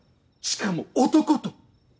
しかも男と！